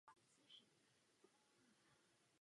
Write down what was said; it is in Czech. To by byl krok správným směrem, ale mnoho problémů zůstává.